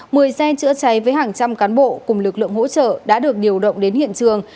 mười xe chữa cháy với hàng trăm cán bộ cùng lực lượng hỗ trợ đã được điều động đến